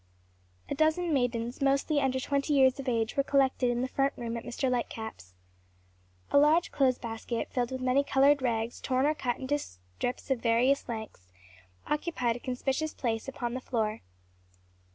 A dozen maidens, mostly under twenty years of age, were collected in "the front room" at Mr. Lightcap's. A large clothes basket filled with many colored rags, torn or cut into strips of various lengths, occupied a conspicuous place upon the floor.